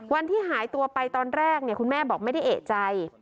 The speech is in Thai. วันที่หายตัวไปตอนแรกคุณแม่บอกไม่ได้เอกใจ